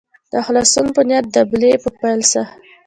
د خلاصون په نیت دبلي په پیل سه.